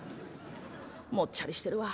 もっちゃりしてるわ」。